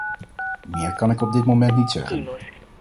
Meer kan ik op dit moment niet zeggen.